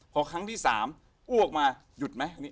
พอครั้งที่๓อ้วกมาหยุดไหม